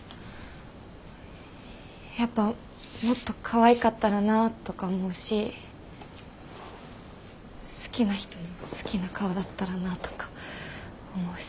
やっぱもっとかわいかったらなとか思うし好きな人の好きな顔だったらなとか思うし。